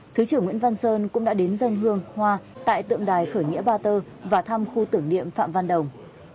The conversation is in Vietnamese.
thứ trưởng nguyễn văn sơn cũng đã đến dân hương hoa tại tượng đài khởi nghĩa ba tơ và thăm khu tưởng niệm phạm văn đồng